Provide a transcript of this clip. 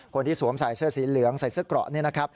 คนที่สวมใส่เสื้อสีเหลืองใส่เสื้อกระ